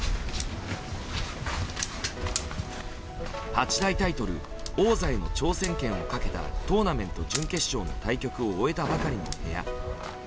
八大タイトル、王座への挑戦権をかけたトーナメント準決勝の対局を終えたばかりの部屋。